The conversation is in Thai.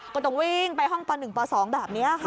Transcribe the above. ก็ต้องวิ่งไปห้องป๑ป๒แบบนี้ค่ะ